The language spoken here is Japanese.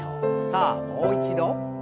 さあもう一度。